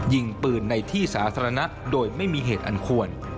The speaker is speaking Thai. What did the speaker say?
ยิงปืนในที่สาธารณะโดยไม่มีเหตุอันควร